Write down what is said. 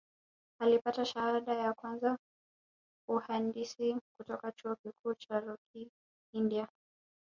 Alipata shahada ya kwanza uhandisi kutoka Chuo Kikuu cha Rokii India